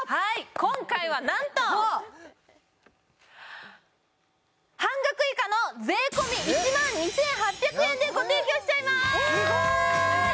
今回はなんと半額以下の税込１万２８００円でご提供しちゃいますすごい！